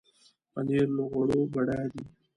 پنېر له غوړو بډایه دی.